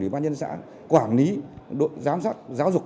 ủy ban nhân xã quản lý đội giám sát giáo dục